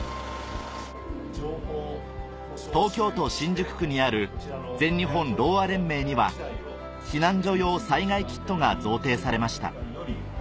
東京都新宿区にある全日本ろうあ連盟には避難所用災害キットが贈呈されました